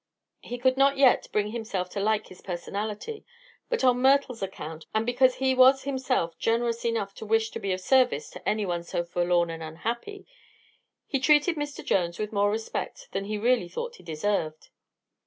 He could not yet bring himself to like his personality, but on Myrtle's account and because he was himself generous enough to wish to be of service to anyone so forlorn and unhappy, he treated Mr. Jones with more respect than he really thought he deserved.